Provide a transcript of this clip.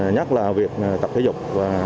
nhắc là việc tập thể dục